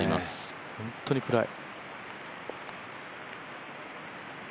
本当に暗い。